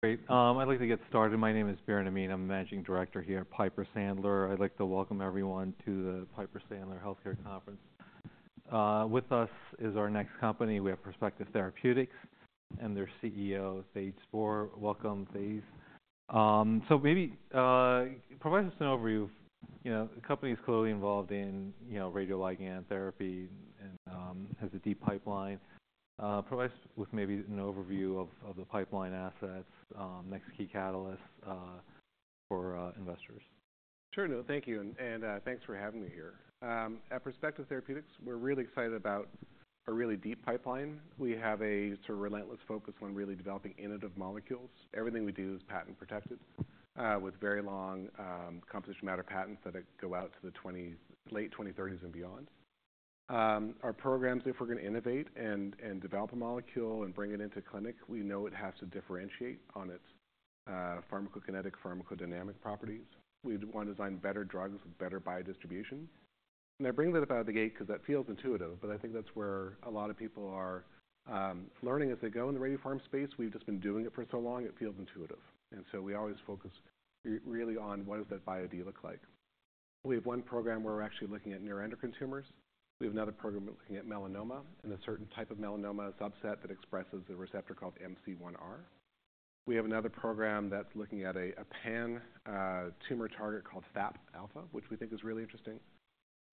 Great. I'd like to get started. My name is Biren Amin. I'm the Managing Director here at Piper Sandler. I'd like to welcome everyone to the Piper Sandler Healthcare Conference. With us is our next company. We have Perspective Therapeutics and their CEO, Thijs Spoor. Welcome, Thijs. So maybe provide us an overview of, you know, the company's clearly involved in, you know, radioligand therapy and has a deep pipeline. Provide us with maybe an overview of the pipeline assets, next key catalysts for investors. Sure, no. Thank you. And thanks for having me here. At Perspective Therapeutics, we're really excited about a really deep pipeline. We have a sort of relentless focus on really developing innovative molecules. Everything we do is patent-protected, with very long, composition of matter patents that go out to the late 2030s and beyond. Our programs, if we're gonna innovate and develop a molecule and bring it into clinic, we know it has to differentiate on its pharmacokinetic, pharmacodynamic properties. We'd wanna design better drugs with better biodistribution. And I bring that up out of the gate 'cause that feels intuitive, but I think that's where a lot of people are learning as they go in the radiopharma space. We've just been doing it for so long, it feels intuitive. And so we always focus really on what does that biod look like. We have one program where we're actually looking at neuroendocrine tumors. We have another program looking at melanoma and a certain type of melanoma subset that expresses a receptor called MC1R. We have another program that's looking at a pan-tumor target called FAP alpha, which we think is really interesting,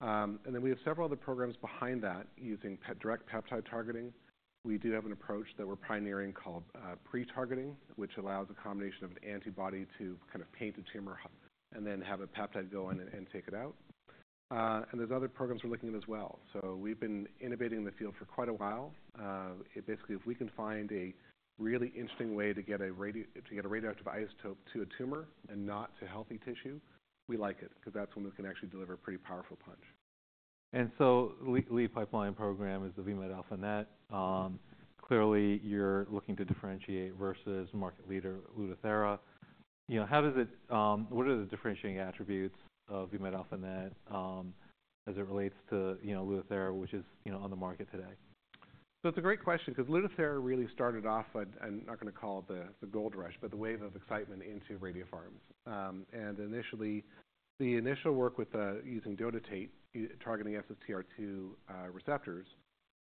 and then we have several other programs behind that using direct peptide targeting. We do have an approach that we're pioneering called pretargeting, which allows a combination of an antibody to kind of paint a tumor and then have a peptide go in and take it out, and there's other programs we're looking at as well. So we've been innovating in the field for quite a while. It basically, if we can find a really interesting way to get a radioactive isotope to a tumor and not to healthy tissue, we like it 'cause that's when we can actually deliver a pretty powerful punch. The lead pipeline program is the VMT-α-NET. Clearly, you're looking to differentiate versus market leader Lutathera. You know, how does it, what are the differentiating attributes of VMT-α-NET, as it relates to, you know, Lutathera, which is, you know, on the market today? It's a great question 'cause Lutathera really started off, and I'm not gonna call it the gold rush, but the wave of excitement into radiopharms. And initially, the initial work with using dotatate, targeting SSTR2 receptors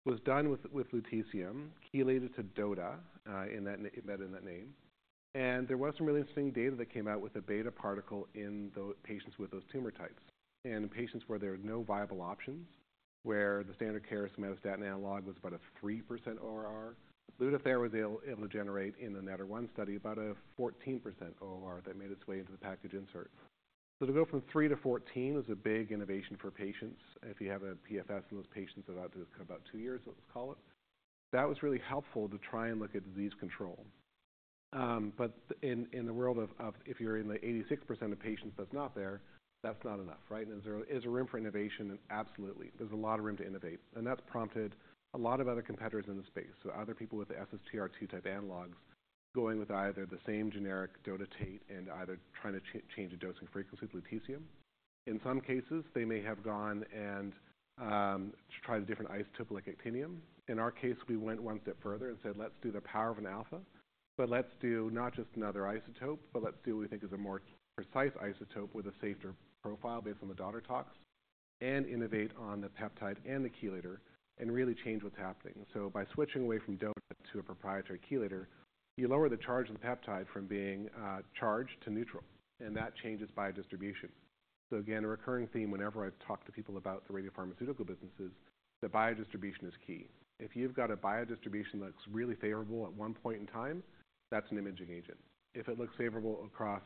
was done with lutetium, chelated to DOTA, in that name embedded in that name. And there was some really interesting data that came out with a beta particle in the patients with those tumor types. And in patients where there are no viable options, where the standard care is somatostatin analog was about a 3% ORR, Lutathera was able to generate in the NETTER-1 study about a 14% ORR that made its way into the package insert. So to go from 3 to 14 is a big innovation for patients. If you have a PFS in those patients about two years, let's call it, that was really helpful to try and look at disease control, but in the world of if you're in the 86% of patients that's not there, that's not enough, right? Is there a room for innovation? Absolutely. There's a lot of room to innovate. That's prompted a lot of other competitors in the space. Other people with the SSTR2 type analogs going with either the same generic dotatate and either trying to change the dosing frequency with lutetium. In some cases, they may have gone and tried a different isotope like actinium. In our case, we went one step further and said, "Let's do the power of an alpha, but let's do not just another isotope, but let's do what we think is a more precise isotope with a safer profile based on the daughter tox and innovate on the peptide and the chelator and really change what's happening." So by switching away from DOTA to a proprietary chelator, you lower the charge of the peptide from being charged to neutral, and that changes biodistribution. So again, a recurring theme whenever I've talked to people about the radiopharmaceutical business is that biodistribution is key. If you've got a biodistribution that looks really favorable at one point in time, that's an imaging agent. If it looks favorable across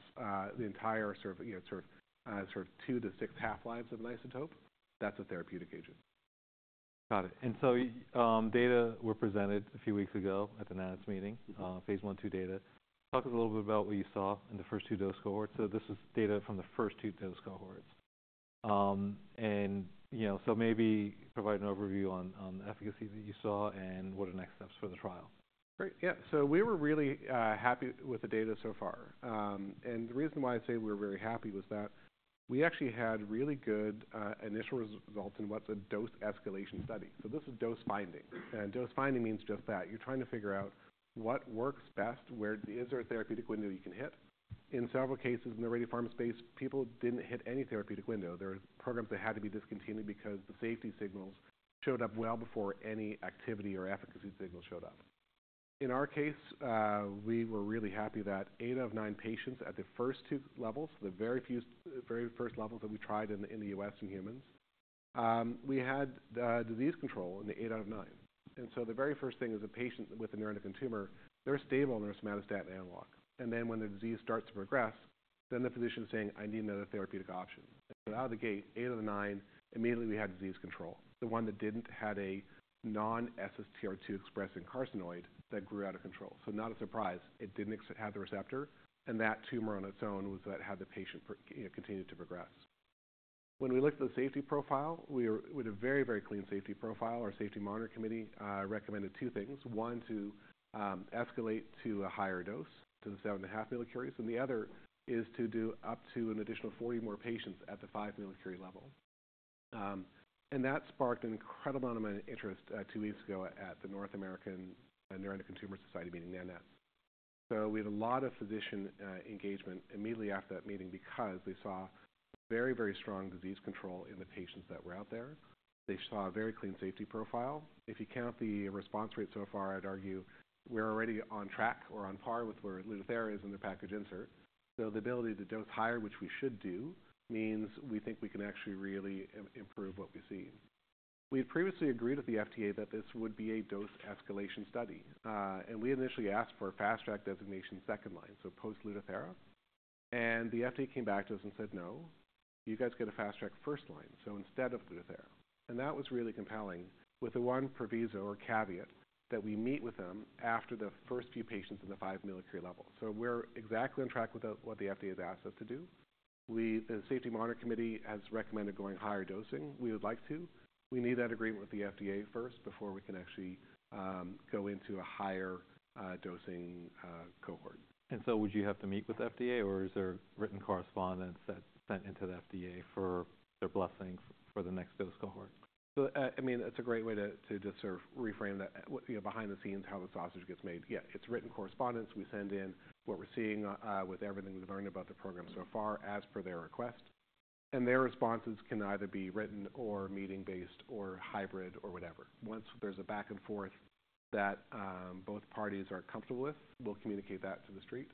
the entire curve you know, sort of two to six half-lives of an isotope, that's a therapeutic agent. Got it, and so data were presented a few weeks ago at the NANETS meeting, Phase 1/2 data. Talk a little bit about what you saw in the first two dose cohorts, so this is data from the first two dose cohorts, and you know, so maybe provide an overview on, on the efficacy that you saw and what are next steps for the trial. Great. Yeah. So we were really happy with the data so far, and the reason why I say we were very happy was that we actually had really good initial results in what's a dose escalation study. So this is dose finding, and dose finding means just that. You're trying to figure out what works best, where is there a therapeutic window you can hit. In several cases in the radiopharma space, people didn't hit any therapeutic window. There were programs that had to be discontinued because the safety signals showed up well before any activity or efficacy signals showed up. In our case, we were really happy that eight out of nine patients at the first two levels, the very first levels that we tried in the U.S. in humans, we had disease control in eight out of nine. And so the very first thing is a patient with a neuroendocrine tumor. They're stable on their somatostatin analog. And then when the disease starts to progress, then the physician's saying, "I need another therapeutic option." And so out of the gate, eight out of nine, immediately we had disease control. The one that didn't had a non-SSTR2 expressing carcinoid that grew out of control. So not a surprise. It didn't express the receptor, and that tumor on its own, you know, had the patient continue to progress. When we looked at the safety profile, we had a very, very clean safety profile. Our safety monitoring committee recommended two things. One, to escalate to a higher dose to the seven and a half millicuries. And the other is to do up to an additional 40 more patients at the five millicuries level. And that sparked an incredible amount of interest two weeks ago at the North American Neuroendocrine Tumor Society meeting then. We had a lot of physician engagement immediately after that meeting because they saw very, very strong disease control in the patients that were out there. They saw a very clean safety profile. If you count the response rate so far, I'd argue we're already on track or on par with where Lutathera is in the package insert. The ability to dose higher, which we should do, means we think we can actually really improve what we see. We'd previously agreed with the FDA that this would be a dose escalation study, and we initially asked for a fast-track designation second line, so post-Lutathera. The FDA came back to us and said, "No. You guys get a fast-track first line, so instead of Lutathera." And that was really compelling with the one proviso or caveat that we meet with them after the first few patients in the five millicurie level. We're exactly on track with what the FDA has asked us to do. The safety monitoring committee has recommended going higher dosing. We would like to. We need that agreement with the FDA first before we can actually go into a higher dosing cohort. Would you have to meet with the FDA, or is there written correspondence that's sent into the FDA for their blessing for the next dose cohort? I mean, it's a great way to just sort of reframe that, you know, behind the scenes how the sausage gets made. Yeah. It's written correspondence. We send in what we're seeing, with everything we've learned about the program so far as per their request. Their responses can either be written or meeting-based or hybrid or whatever. Once there's a back and forth that both parties are comfortable with, we'll communicate that to the street,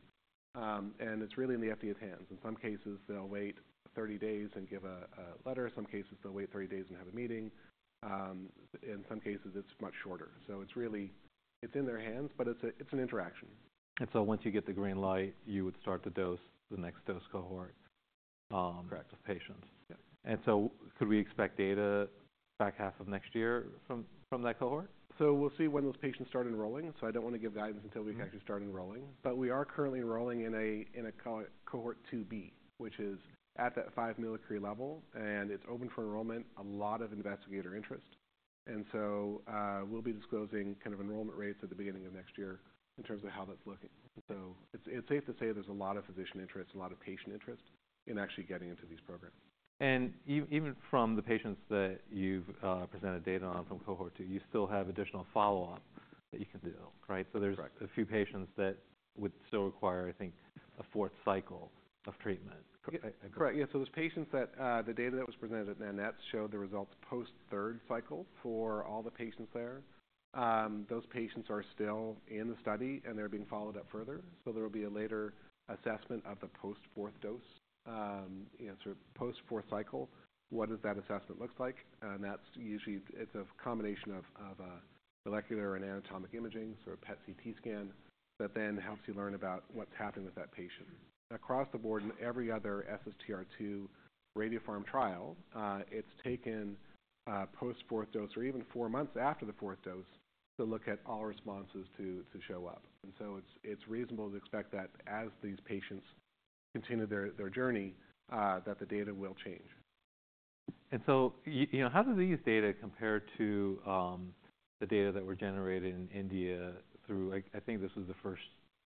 and it's really in the FDA's hands. In some cases, they'll wait 30 days and give a letter. Some cases, they'll wait 30 days and have a meeting. In some cases, it's much shorter. It's really in their hands, but it's an interaction. And so once you get the green light, you would start to dose the next dose cohort. Correct. Of patients. Yeah. And so could we expect data back half of next year from that cohort? We'll see when those patients start enrolling. I don't wanna give guidance until we can actually start enrolling. But we are currently enrolling in a Cohort 2B, which is at that five millicuries level, and it's open for enrollment. A lot of investigator interest. We'll be disclosing kind of enrollment rates at the beginning of next year in terms of how that's looking. It's safe to say there's a lot of physician interest, a lot of patient interest in actually getting into these programs. Even from the patients that you've presented data on from cohort two, you still have additional follow-up that you can do, right? Correct. So there's a few patients that would still require, I think, a fourth cycle of treatment. Yeah. Correct. Yeah. So those patients that, the data that was presented at NANETS showed the results post-third cycle for all the patients there. Those patients are still in the study, and they're being followed up further. So there'll be a later assessment of the post-fourth dose, you know, sort of post-fourth cycle. What does that assessment look like? And that's usually it's a combination of, of, molecular and anatomic imaging, sort of PET CT scan that then helps you learn about what's happening with that patient. Across the board in every other SSTR2 radio pharma trial, it's taken, post-fourth dose or even four months after the fourth dose to look at all responses to, to show up. And so it's, it's reasonable to expect that as these patients continue their, their journey, that the data will change. You know, how do these data compare to the data that were generated in India through, like, I think this was the first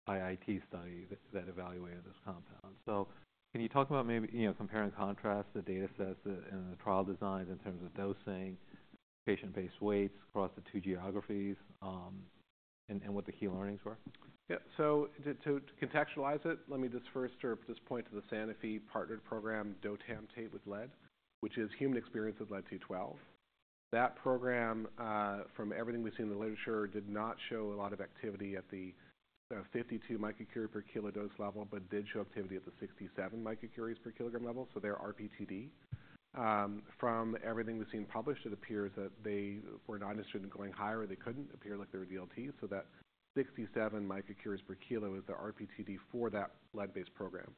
IIT study that evaluated this compound? Can you talk about maybe, you know, compare and contrast the data sets and the trial designs in terms of dosing, patient-based weights across the two geographies, and what the key learnings were? Yeah. So to contextualize it, let me just first sort of point to the Sanofi partnered program, dotamtate with lead-212, which is human experience with lead-212. That program, from everything we've seen in the literature, did not show a lot of activity at the 52 microcurie per kilo dose level but did show activity at the 67 microcuries per kilogram level. So their RP2D, from everything we've seen published, it appears that they were not interested in going higher or they couldn't. It appeared like they were DLT. So that 67 microcuries per kilo is the RP2D for that lead-based program.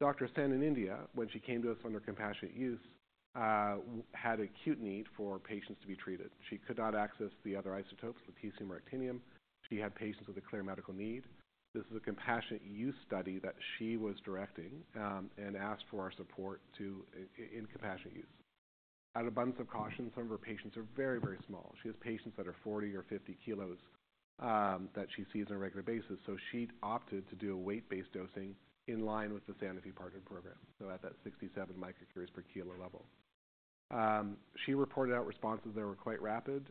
Dr. Sen in India, when she came to us under compassionate use, we had acute need for patients to be treated. She could not access the other isotopes, lutetium or actinium. She had patients with a clear medical need. This is a compassionate use study that she was directing, and asked for our support to in compassionate use. Out of abundance of caution, some of her patients are very, very small. She has patients that are 40 or 50 kilos, that she sees on a regular basis. So she opted to do a weight-based dosing in line with the Sanofi partnered program, so at that 67 microcuries per kilo level. She reported out responses that were quite rapid,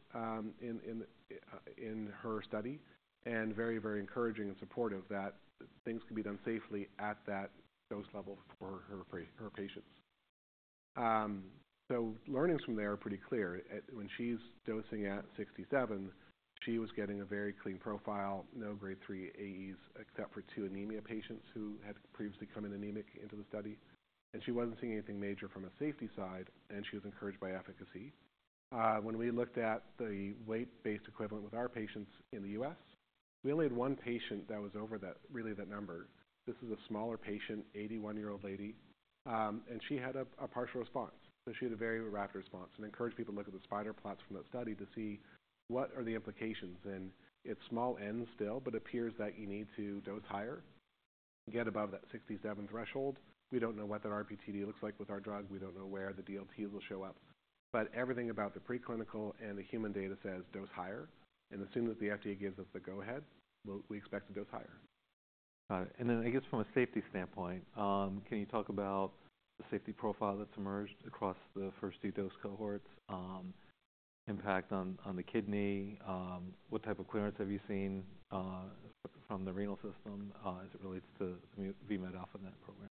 in her study and very, very encouraging and supportive that things can be done safely at that dose level for her patients. So learnings from there are pretty clear. When she's dosing at 67, she was getting a very clean profile, no Grade 3 AEs except for two anemia patients who had previously come in anemic into the study. And she wasn't seeing anything major from a safety side, and she was encouraged by efficacy. When we looked at the weight-based equivalent with our patients in the U.S., we only had one patient that was over that, really, that number. This is a smaller patient, 81-year-old lady. And she had a partial response. So she had a very rapid response and encouraged people to look at the spider plots from that study to see what are the implications. And it's small n's still, but it appears that you need to dose higher and get above that 67 threshold. We don't know what that RP2D looks like with our drug. We don't know where the DLTs will show up. But everything about the preclinical and the human data says dose higher. And as soon as the FDA gives us the go-ahead, we'll expect to dose higher. Got it. And then I guess from a safety standpoint, can you talk about the safety profile that's emerged across the first two dose cohorts, impact on the kidney? What type of clearance have you seen from the renal system, as it relates to the VMT-α-NET program?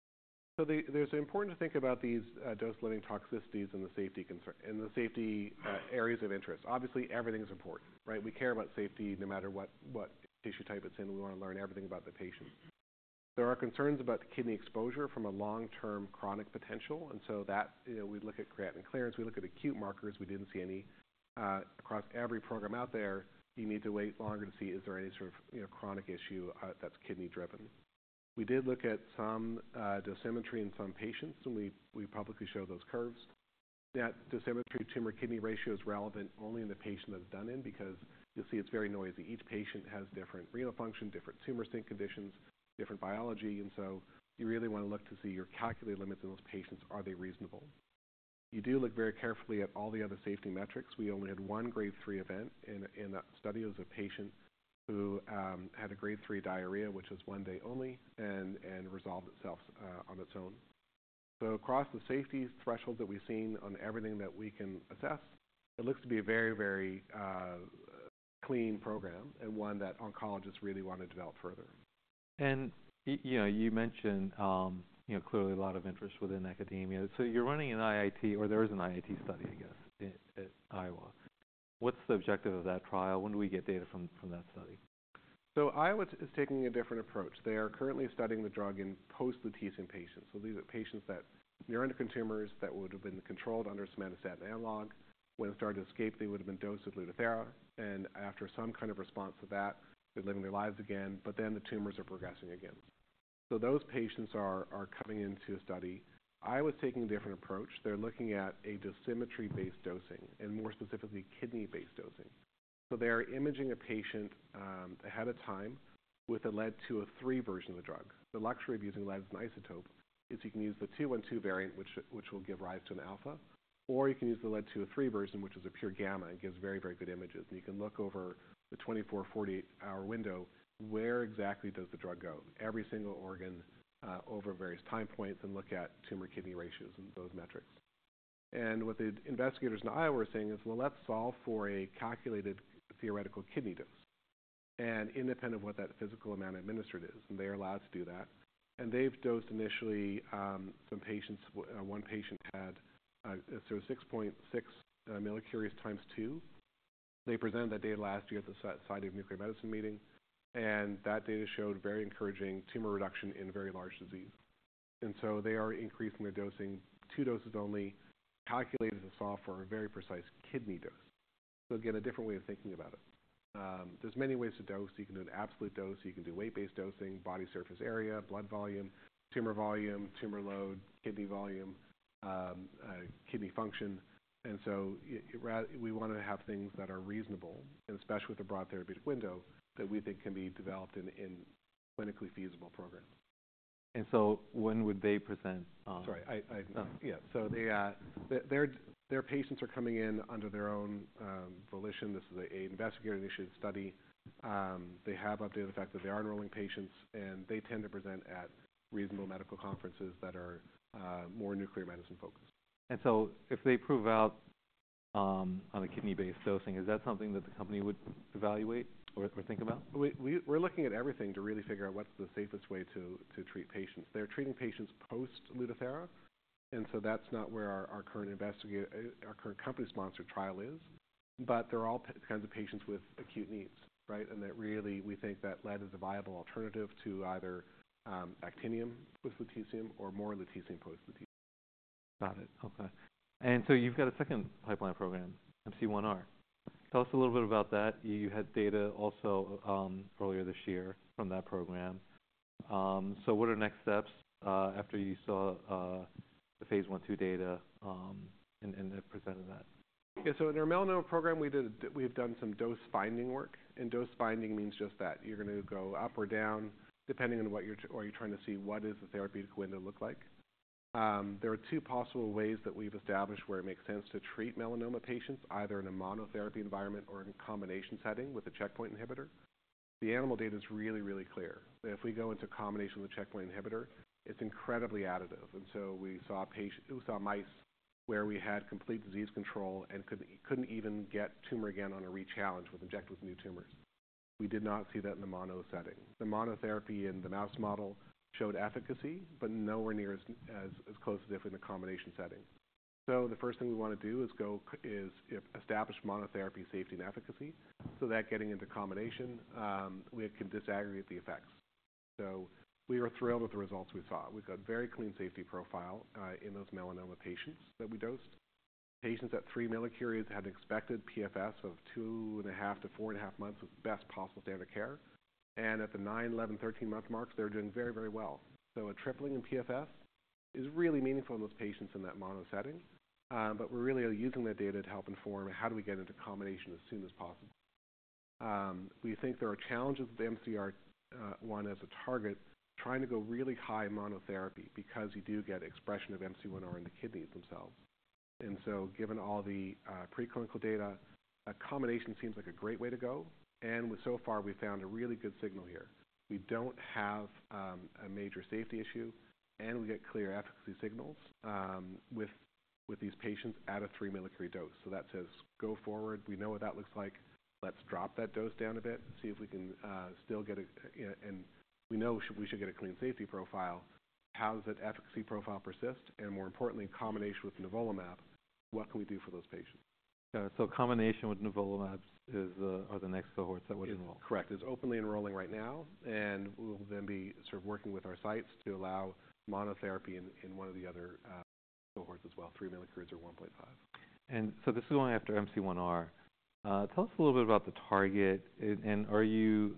So there's important to think about these dose-limiting toxicities and the safety concern and areas of interest. Obviously, everything's important, right? We care about safety no matter what tissue type it's in. We wanna learn everything about the patient. There are concerns about kidney exposure from a long-term chronic potential. And so that, you know, we look at creatinine clearance. We look at acute markers. We didn't see any across every program out there. You need to wait longer to see is there any sort of, you know, chronic issue that's kidney-driven. We did look at some dosimetry in some patients, and we publicly showed those curves. That dosimetry tumor-kidney ratio is relevant only in the patient that it's done in because you'll see it's very noisy. Each patient has different renal function, different tumor sink conditions, different biology. You really wanna look to see your calculated limits in those patients. Are they reasonable? You do look very carefully at all the other safety metrics. We only had one grade three event in that study. It was a patient who had a grade three diarrhea, which was one day only, and resolved itself on its own. Across the safety thresholds that we've seen on everything that we can assess, it looks to be a very, very clean program and one that oncologists really wanna develop further. You know, you mentioned, you know, clearly a lot of interest within academia. So you're running an IIT or there is an IIT study, I guess, in Iowa. What's the objective of that trial? When do we get data from that study? Iowa is taking a different approach. They are currently studying the drug in post-lutetium patients. These are patients that neuroendocrine tumors that would've been controlled under somatostatin analog. When it started to escape, they would've been dosed with Lutathera. After some kind of response to that, they're living their lives again, but then the tumors are progressing again. Those patients are coming into a study. Iowa's taking a different approach. They're looking at a dosimetry-based dosing and more specifically kidney-based dosing. They are imaging a patient ahead of time with a lead-203 version of the drug. The luxury of using lead as an isotope is you can use the 212 variant, which will give rise to an alpha, or you can use the lead-203 version, which is a pure gamma and gives very, very good images. And you can look over the 24- and 48-hour window where exactly does the drug go? Every single organ, over various time points and look at tumor-kidney ratios and those metrics. And what the investigators in Iowa are saying is, "Well, let's solve for a calculated theoretical kidney dose." And independent of what that physical amount administered is, and they're allowed to do that. And they've dosed initially, some patients. One patient had, sort of 6.6 millicuries times two. They presented that data last year at the SNMMI Nuclear Medicine meeting, and that data showed very encouraging tumor reduction in very large disease. And so they are increasing their dosing two doses only, calculated to solve for a very precise kidney dose. So again, a different way of thinking about it. There's many ways to dose. You can do an absolute dose. You can do weight-based dosing, body surface area, blood volume, tumor volume, tumor load, kidney volume, kidney function. And so you rather we wanna have things that are reasonable, and especially with the broad therapeutic window, that we think can be developed in, in clinically feasible programs. And so, when would they present? Sorry. Yeah. Their patients are coming in under their own volition. This is an investigator-initiated study. They have updated the fact that they are enrolling patients, and they tend to present at reasonable medical conferences that are more nuclear medicine-focused. And so if they prove out, on a kidney-based dosing, is that something that the company would evaluate or think about? We're looking at everything to really figure out what's the safest way to treat patients. They're treating patients post-Lutathera, and so that's not where our current investigator-initiated, our current company-sponsored trial is. But there are all kinds of patients with acute needs, right? And that really we think that lead is a viable alternative to either actinium with lutetium or more lutetium post-lutetium. Got it. Okay. And so you've got a second pipeline program, MC1R. Tell us a little bit about that. You had data also, earlier this year from that program. So what are next steps, after you saw the phase one two data, and have presented that? Yeah. So in our melanoma program, we've done some dose-finding work. And dose-finding means just that. You're gonna go up or down depending on what you're trying to see what does the therapeutic window look like. There are two possible ways that we've established where it makes sense to treat melanoma patients, either in a monotherapy environment or in a combination setting with a checkpoint inhibitor. The animal data is really, really clear. If we go into combination with a checkpoint inhibitor, it's incredibly additive. And so we saw mice where we had complete disease control and couldn't even get tumor again on a rechallenge with injected with new tumors. We did not see that in the mono setting. The monotherapy in the mouse model showed efficacy but nowhere near as close as if in the combination setting. So the first thing we wanna do is establish monotherapy safety and efficacy so that getting into combination, we can disaggregate the effects. So we were thrilled with the results we saw. We got very clean safety profile in those melanoma patients that we dosed. Patients at three millicuries had an expected PFS of two and a half to four and a half months with best possible standard of care. And at the 9, 11, 13-month marks, they're doing very, very well. So a tripling in PFS is really meaningful in those patients in that mono setting. But we're really using that data to help inform how do we get into combination as soon as possible. We think there are challenges with MC1R, one as a target, trying to go really high monotherapy because you do get expression of MC1R in the kidneys themselves. And so given all the preclinical data, a combination seems like a great way to go. And so far, we've found a really good signal here. We don't have a major safety issue, and we get clear efficacy signals with these patients at a three millicurie dose. So that says go forward. We know what that looks like. Let's drop that dose down a bit, see if we can still get a, and we know we should get a clean safety profile. How does that efficacy profile persist? And more importantly, in combination with nivolumab, what can we do for those patients? So combination with nivolumab is, are the next cohorts that would enroll? Yes. Correct. It's openly enrolling right now, and we'll then be sort of working with our sites to allow monotherapy in one of the other cohorts as well. Three millicuries or 1.5. And so this is going after MC1R. Tell us a little bit about the target. And are you,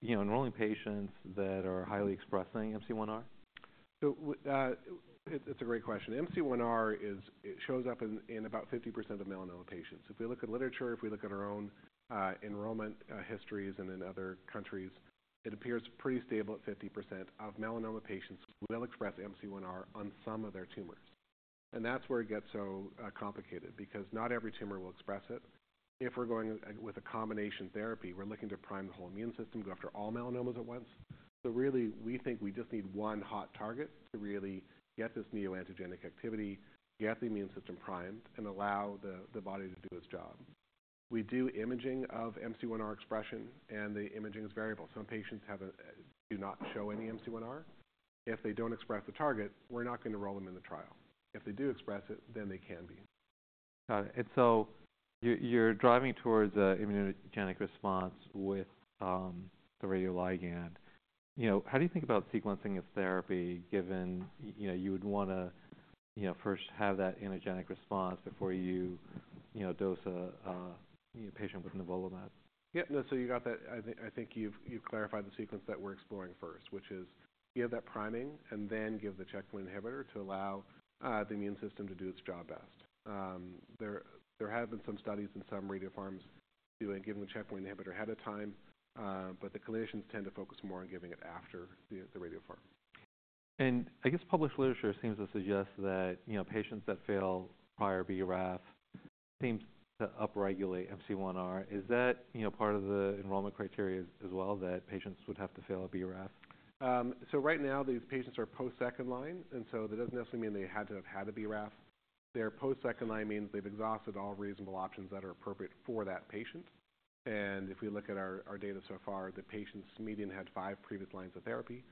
you know, enrolling patients that are highly expressing MC1R? It's a great question. MC1R, it shows up in about 50% of melanoma patients. If we look at literature, if we look at our own enrollment histories and in other countries, it appears pretty stable at 50% of melanoma patients will express MC1R on some of their tumors. And that's where it gets so complicated because not every tumor will express it. If we're going with a combination therapy, we're looking to prime the whole immune system, go after all melanomas at once. So really, we think we just need one hot target to really get this neoantigenic activity, get the immune system primed, and allow the body to do its job. We do imaging of MC1R expression, and the imaging is variable. Some patients have a do not show any MC1R. If they don't express the target, we're not gonna enroll them in the trial. If they do express it, then they can be. Got it. And so you're driving towards an immunogenic response with the radioligand. You know, how do you think about sequencing of therapy given, you know, you would wanna, you know, first have that immunogenic response before you, you know, dose a patient with nivolumab? Yep. No. So you got that. I think you've clarified the sequence that we're exploring first, which is give that priming and then give the checkpoint inhibitor to allow the immune system to do its job best. There have been some studies in some radiopharms doing giving the checkpoint inhibitor ahead of time, but the clinicians tend to focus more on giving it after the radiopharm. I guess published literature seems to suggest that, you know, patients that fail prior BRAF seems to upregulate MC1R. Is that, you know, part of the enrollment criteria as well that patients would have to fail a BRAF? So right now, these patients are post-second line. And so that doesn't necessarily mean they had to have had a BRAF. They're post-second line means they've exhausted all reasonable options that are appropriate for that patient. And if we look at our data so far, the patients' median had five previous lines of therapy.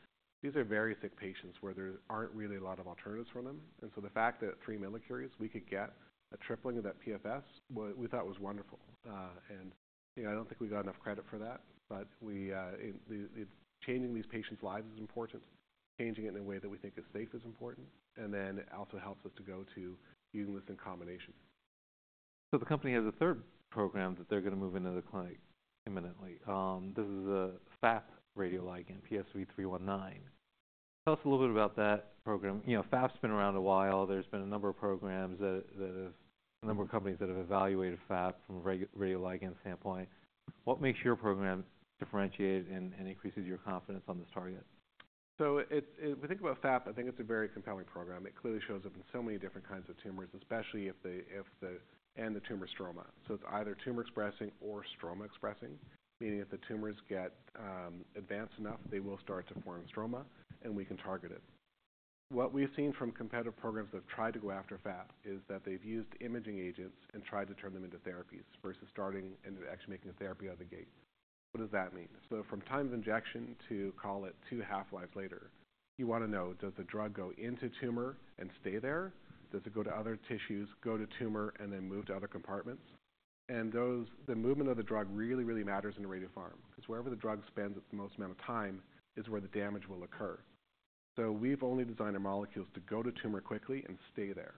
These are very sick patients where there aren't really a lot of alternatives for them. And so the fact that three millicuries we could get a tripling of that PFS, we thought was wonderful. And, you know, I don't think we got enough credit for that, but in the changing these patients' lives is important. Changing it in a way that we think is safe is important. And then it also helps us to go to using this in combination. So the company has a third program that they're gonna move into the clinic imminently. This is a FAP radioligand, PSV-359. Tell us a little bit about that program. You know, FAP's been around a while. There's been a number of programs that have a number of companies that have evaluated FAP from a radioligand standpoint. What makes your program differentiated and increases your confidence on this target? So, as we think about FAP, I think it's a very compelling program. It clearly shows up in so many different kinds of tumors, especially in the tumor stroma. So it's either tumor expressing or stroma expressing, meaning if the tumors get advanced enough, they will start to form stroma, and we can target it. What we've seen from competitive programs that have tried to go after FAP is that they've used imaging agents and tried to turn them into therapies versus starting and actually making a therapy out of the gate. What does that mean? So from time of injection to call it two half-lives later, you wanna know, does the drug go into tumor and stay there? Does it go to other tissues, go to tumor, and then move to other compartments? And so the movement of the drug really, really matters in a radiopharm 'cause wherever the drug spends its most amount of time is where the damage will occur. So we've only designed our molecules to go to tumor quickly and stay there.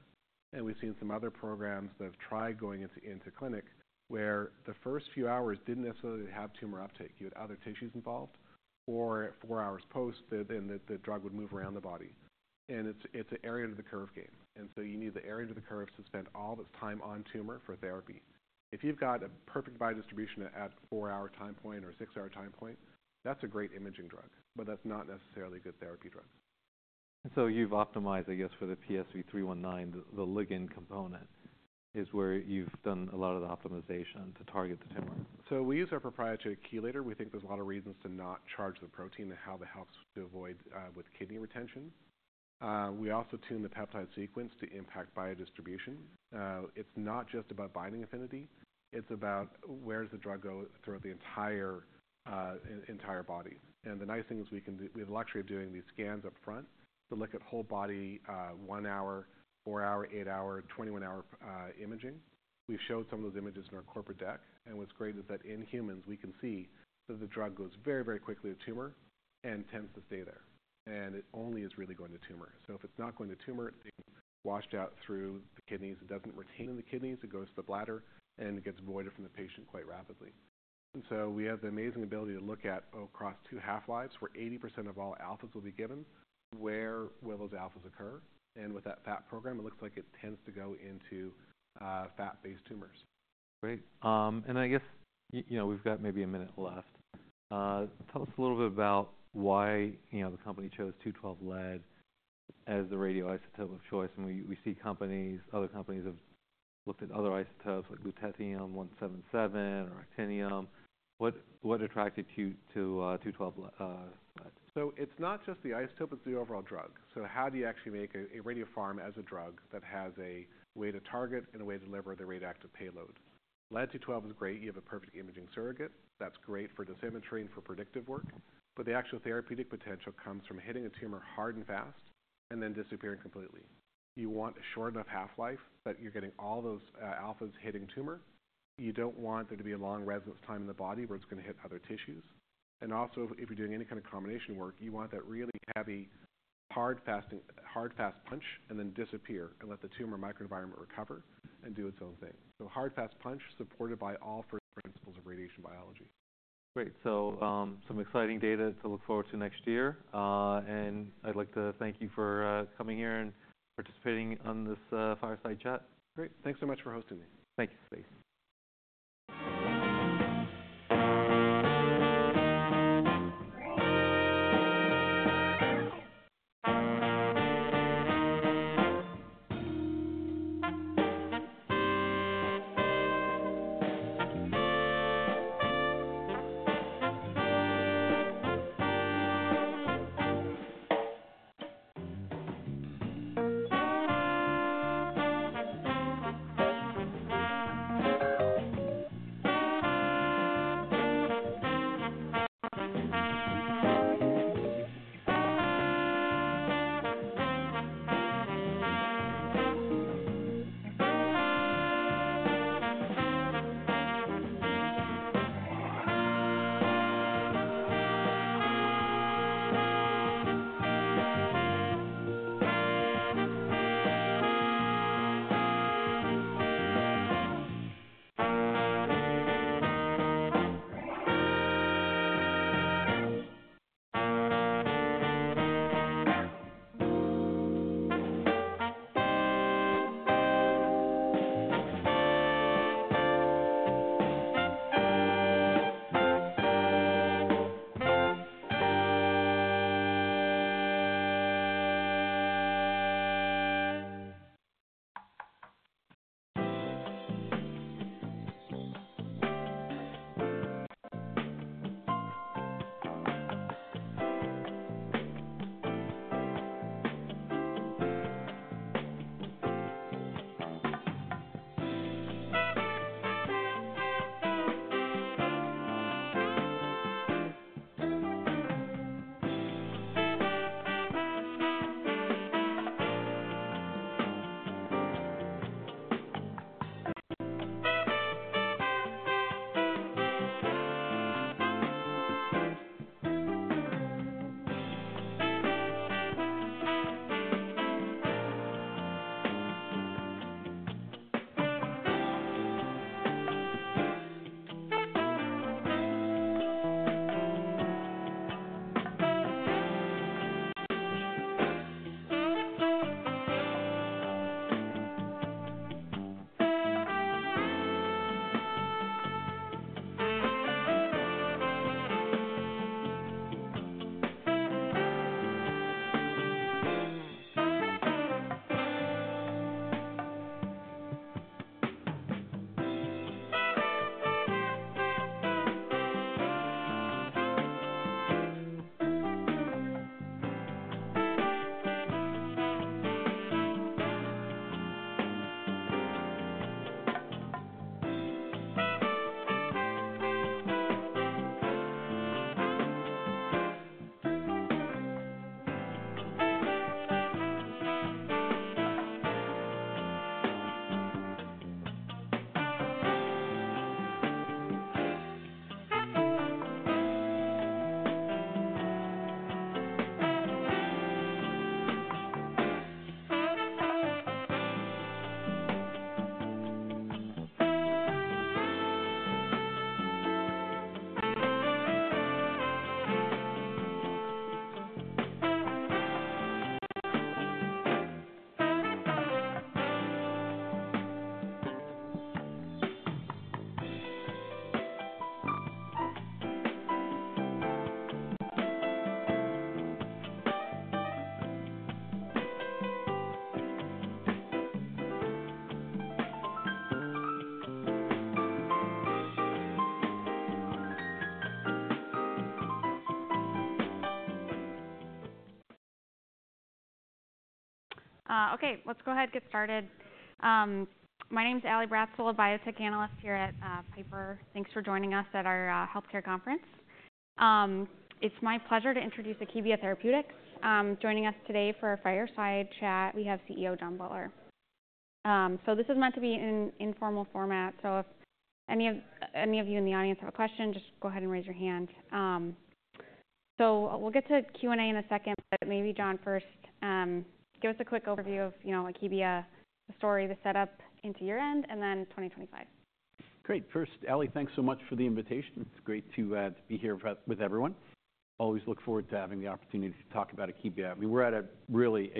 And we've seen some other programs that have tried going into clinic where the first few hours didn't necessarily have tumor uptake. You had other tissues involved, or at four hours post, then the drug would move around the body. And it's an area under the curve game. And so you need the area under the curve to spend all this time on tumor for therapy. If you've got a perfect biodistribution at four-hour time point or six-hour time point, that's a great imaging drug, but that's not necessarily a good therapy drug. You've optimized, I guess, for the PSV-359, the ligand component is where you've done a lot of the optimization to target the tumor. So we use our proprietary chelator. We think there's a lot of reasons to not charge the protein and how that helps to avoid, with kidney retention. We also tune the peptide sequence to impact biodistribution. It's not just about binding affinity. It's about where does the drug go throughout the entire, entire body. And the nice thing is we have the luxury of doing these scans upfront to look at whole body, one-hour, four-hour, eight-hour, 21-hour, imaging. We've showed some of those images in our corporate deck. And what's great is that in humans, we can see that the drug goes very, very quickly to tumor and tends to stay there. And it only is really going to tumor. So if it's not going to tumor, it's being washed out through the kidneys. It doesn't retain in the kidneys. It goes to the bladder and gets voided from the patient quite rapidly. And so we have the amazing ability to look at across two half-lives where 80% of all alphas will be given, where will those alphas occur? And with that FAP program, it looks like it tends to go into FAP-based tumors. Great. And I guess, you know, we've got maybe a minute left. Tell us a little bit about why, you know, the company chose lead-212 as the radioisotope of choice. And we see companies, other companies have looked at other isotopes like lutetium-177 or actinium. What attracted you to lead-212? It's not just the isotope. It's the overall drug. How do you actually make a radiopharmaceutical as a drug that has a way to target and a way to deliver the radioactive payload? lead-212 is great. You have a perfect imaging surrogate. That's great for dosimetry and for predictive work. But the actual therapeutic potential comes from hitting a tumor hard and fast and then disappearing completely. You want a short enough half-life that you're getting all those alphas hitting tumor. You don't want there to be a long residence time in the body where it's gonna hit other tissues. And also, if you're doing any kind of combination work, you want that really heavy hard-hitting, hard-fast punch and then disappear and let the tumor microenvironment recover and do its own thing. Hard fast punch supported by all first principles of radiation biology. Great. So, some exciting data to look forward to next year. And I'd like to thank you for coming here and participating on this fireside chat. Great. Thanks so much for hosting me. Thank you. Thanks. Okay. Let's go ahead and get started. My name's Ali Bratzel, a biotech analyst here at Piper. Thanks for joining us at our healthcare conference. It's my pleasure to introduce Perspective Therapeutics. Joining us today for a fireside chat, we have CEO Thijs Spoor. So this is meant to be an informal format. If any of you in the audience have a question, just go ahead and raise your hand. We'll get to Q&A in a second, but maybe Thijs first, give us a quick overview of, you know, Perspective Therapeutics, the story, the setup into year end, and then 2025. Great. First, Ali, thanks so much for the invitation. It's great to be here with everyone. Always look forward to having the opportunity to talk about Akebia. I mean, we're at a really.